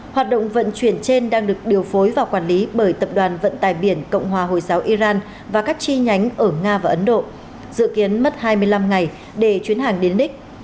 hoạt động vận chuyển trên đang được điều phối và quản lý bởi tập đoàn vận tải biển cộng hòa hồi giáo iran và các chi nhánh ở nga và ấn độ dự kiến mất hai mươi năm ngày để chuyến hàng đến nick